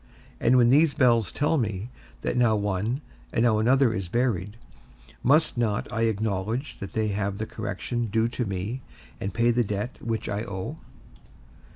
And when these bells tell me, that now one, and now another is buried, must not I acknowledge that they have the correction due to me, and paid the debt that I owe?